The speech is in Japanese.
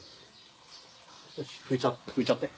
拭いちゃって。